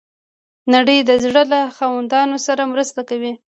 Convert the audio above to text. نړۍ د زړه له خاوندانو سره مرسته کوي.